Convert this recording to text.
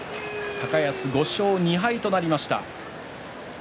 高安は５勝２敗となりました。